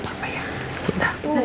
gak apa apa ya